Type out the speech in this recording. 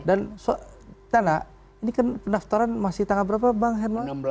dan tanda ini kan pendaftaran masih tanggal berapa bang herman